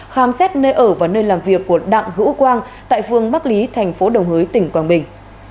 khám xét nơi ở và nơi làm việc của đặng hữu quang tại phương bắc lý thành phố đồng hới tỉnh quảng bình